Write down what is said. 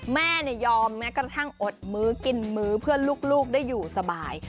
แม่ยอมแม้กระทั่งอดมื้อกินมื้อเพื่อนลูกได้อยู่สบาย